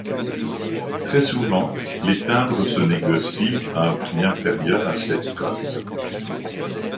Très souvent, les timbres se négocient à un prix inférieur à cette cote.